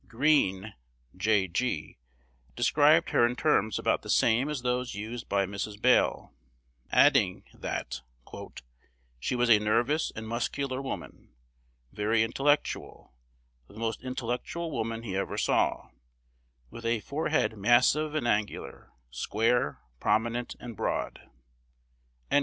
Greene (J. G.) described her in terms about the same as those used by Mrs. Bale, adding that "she was a nervous and muscular woman," very "intellectual," "the most intellectual woman he ever saw," "with a forehead massive and angular, square, prominent, and broad."